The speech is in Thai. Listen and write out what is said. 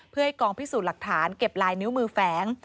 เพื่อให้กองพิสูจน์หลักฐานเก็บลายนิ้วมือแฝง